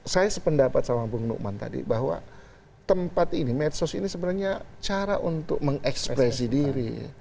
saya sependapat sama bung nukman tadi bahwa tempat ini medsos ini sebenarnya cara untuk mengekspresi diri